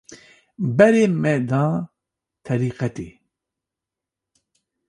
Berê me da terîqetê